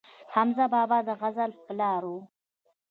حمزه بابا د غزل پلار و